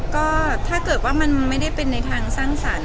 ก็ถ้าเกิดว่ามันไม่ได้เป็นในทางสร้างสรรค์